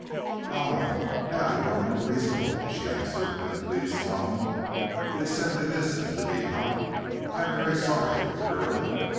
"Ah! Now you are more reasonable," she answered in a pleased tone. "It is simply this, Mr. Beecot: I am very sorry for the girl.